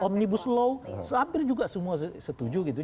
omnibus law hampir juga semua setuju gitu